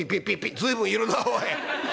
「随分いるなおい。